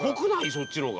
そっちの方が。